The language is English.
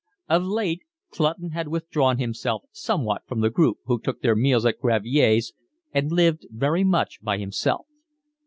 Of late Clutton had withdrawn himself somewhat from the group who took their meals at Gravier's, and lived very much by himself.